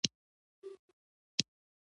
یو طبیعي او غني کوونکې پدیده ده